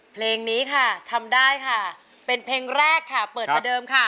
เพลงนี้ค่ะทำได้ค่ะเป็นเพลงแรกค่ะเปิดประเดิมค่ะ